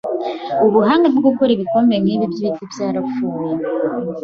Ubuhanga bwo gukora ibikombe byibiti nkibi byarapfuye.